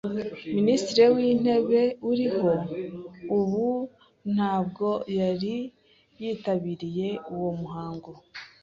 Minisitiri w’intebe uriho ubu ntabwo yari yitabiriye uwo muhango.